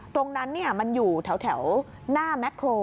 ตรงนั้นมันอยู่แถวหน้าแม็กโคร